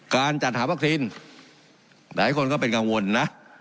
การจัดหาวัคซีนหลายคนก็เป็นกังวลนะ